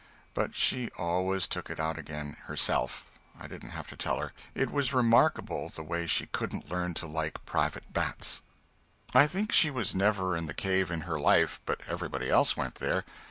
But she always took it out again, herself; I didn't have to tell her. It was remarkable, the way she couldn't learn to like private bats. I think she was never in the cave in her life; but everybody else went there.